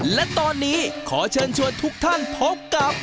และตอนนี้ขอเชิญชวนทุกท่านพบกับ